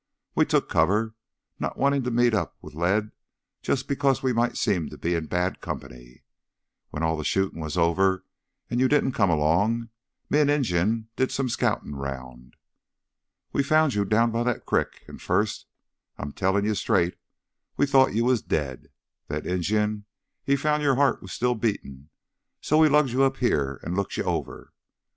We took cover, not wantin' to meet up with lead jus' because we might seem to be in bad company. When all the shootin' was over an' you didn't come 'long, me and Injun did some scoutin' 'round. "We found you down by that crick, an' first I'm tellin' it to you straight we thought you was dead. Then Injun, he found your heart was still beatin', so we lugged you up heah an' looked you over.